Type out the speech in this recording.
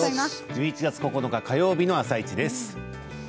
１１月９日火曜日の「あさイチ」です。